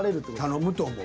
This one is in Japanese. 頼むと思う。